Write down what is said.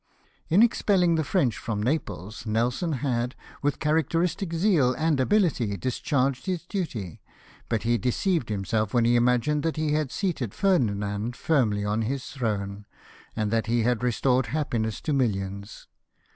In expelling the French from Naples Nelson had, with characteristic zeal and ability, discharged his duty, but he deceived himself AN^hen he imagined that he had seated Ferdinand firmly on his throne, and that he had restored happiness to millions.